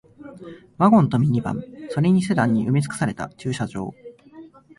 ワゴンとミニバン、それにセダンに埋め尽くされた駐車場